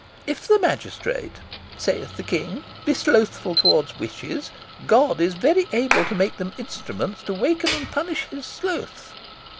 'If the magistrate,' saith the King, 'be slothful towards witches, God is very able to make them instruments to waken and punish his sloth.'